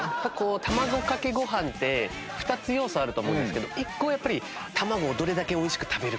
卵かけご飯って２つ要素あると思うんですけど一個はやっぱり卵をどれだけ美味しく食べるか。